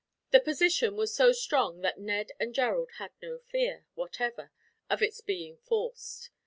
The position was so strong that Ned and Gerald had no fear, whatever, of its being forced.